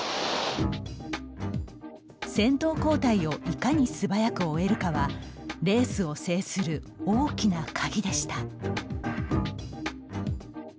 先頭交代をいかに素早く終えるかはレースを制する大きな鍵でした。